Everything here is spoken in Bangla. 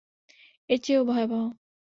এর চেয়েও ভয়াবহ!